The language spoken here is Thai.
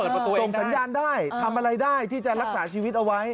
ส่งสัญญาณได้ทำอะไรได้ที่จะรักษาชีวิตเอาไว้